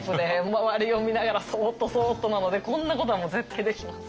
周りを見ながらそっとそっとなのでこんなことはもう絶対できません。